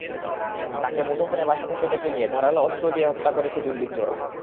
তাঁকে মুঠোফোনে বাসা থেকে ডেকে নিয়ে ধারালো অস্ত্র দিয়ে হত্যা করেছে দুর্বৃত্তরা।